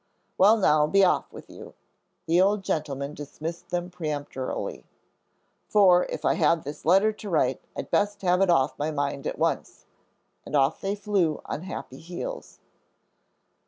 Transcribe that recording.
"Well, now be off with you!" the old gentleman dismissed them peremptorily, "for if I have this letter to write I'd best have it off my mind at once," and off they flew on happy heels.